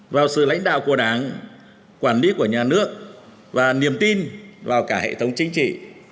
vào sự lãnh đạo của đảng quản lý của nhà nước và niềm tin vào cả hệ thống chính trị